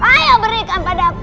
hai ayo berikan padaku